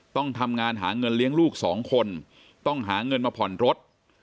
ต้องทำงานหาเงินเลี้ยงลูกสองคนต้องหาเงินมาผ่อนรถ